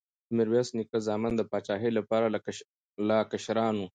د میرویس نیکه زامن د پاچاهۍ لپاره لا کشران وو.